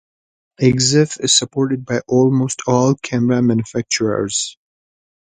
Exif is supported by almost all camera manufacturers.